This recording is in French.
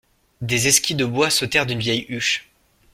Des esquilles de bois sautèrent d'une vieille huche.